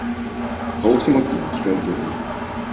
鹿児島県喜界町